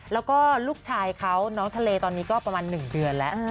แล้วก็ลูกชายเขาน้องทะเลตอนนี้ก็ประมาณ๑เดือนแล้ว